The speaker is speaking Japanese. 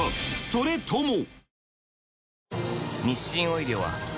それとも？